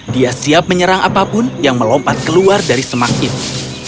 dia siap menyerang apapun yang melompat keluar dari semak itu